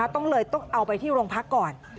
ต้องเลยต้องเอาไปที่โรงพักก่อน